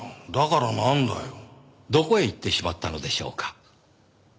どこへ行ってしまったのでしょうか？